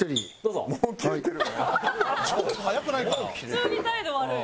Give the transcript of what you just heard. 普通に態度悪い。